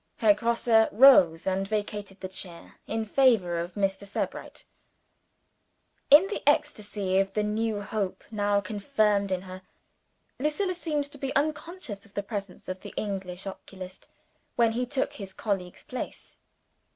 Herr Grosse rose, and vacated the chair in favor of Mr. Sebright. In the ecstasy of the new hope now confirmed in her, Lucilla seemed to be unconscious of the presence of the English oculist, when he took his colleague's place.